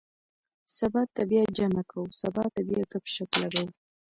سبا ته بیا جمعه کُو. سبا ته بیا ګپ- شپ لګوو.